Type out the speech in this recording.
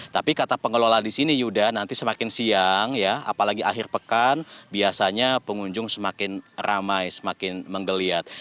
tapi kata pengelola di sini yuda nanti semakin siang ya apalagi akhir pekan biasanya pengunjung semakin ramai semakin menggeliat